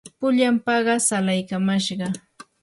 pullan paqas alaykamashqaa.